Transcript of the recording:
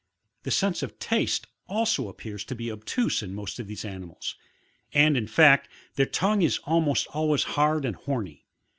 The sense of taste also appears to be obtuse in most of these animals : and in fact, their tongue is almost always hard and horny.